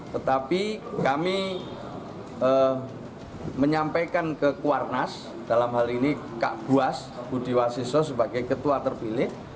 tetapi kami menyampaikan ke kuarnas dalam hal ini kak buas budi wasiso sebagai ketua terpilih